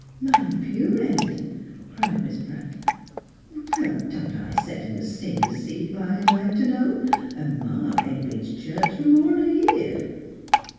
"My pew rent?" cried Miss Pratt. " Don't I set in the singers' seat, I'd like to know? An' ma ain't been t' church for more'n a year."